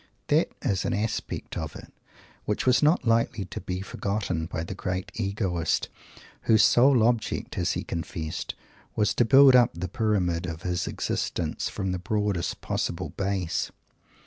That is an aspect of it which was not likely to be forgotten by the great Egoist whose sole object, as he confessed, was to "build up the Pyramid of his Existence" from the broadest possible base.